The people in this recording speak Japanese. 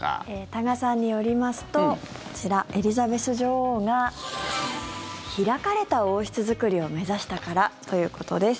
多賀さんによりますとこちら、エリザベス女王が開かれた王室づくりを目指したからということです。